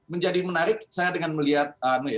menjadi menarik saya dengan melihat